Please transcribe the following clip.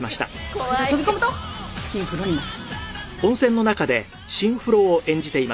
ここ飛び込むとシンフロになる。